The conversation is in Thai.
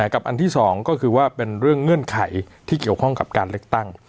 อันที่๒ก็คือว่าเป็นเรื่องเงื่อนไขที่เกี่ยวข้องกับการเลือกตั้ง